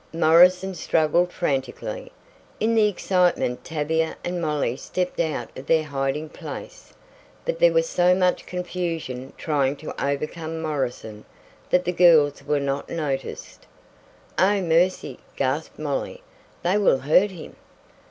Morrison struggled frantically. In the excitement Tavia and Molly stepped out of their hiding place, but there was so much confusion trying to overcome Morrison, that the girls were not noticed. "Oh, mercy!" gasped Molly, "they will hurt him."